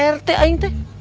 rt aing teh